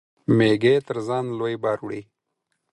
مېږى تر ځان لوى بار وړي.